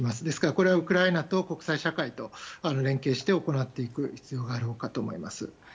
ですから、これはウクライナと国際社会と連携して行っていく必要があろうかと思います。